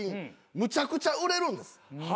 むちゃくちゃ売れるんです。